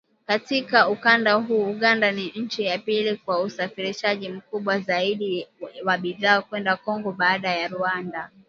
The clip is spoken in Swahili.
Katika ukanda huo, Uganda ni nchi ya pili kwa usafirishaji mkubwa zaidi wa bidhaa kwenda Kongo baada ya Rwanda